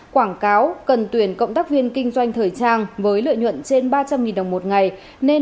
quảng cáo cần tuyển cộng tác viên kinh doanh thời trang với lợi nhuận trên ba trăm linh đồng một ngày nên